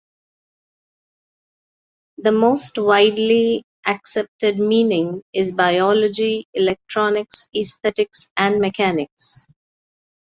The most widely accepted meaning is "Biology, Electronics, Aesthetics, and Mechanics".